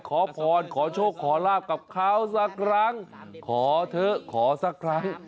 ขอพรขอโชคขอลาบกับเขาสักครั้งขอเถอะขอสักครั้ง